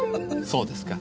そうですか。